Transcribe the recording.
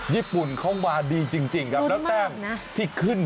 ญี่ปุ่นเขามาดีจริงครับแล้วแต้มที่ขึ้น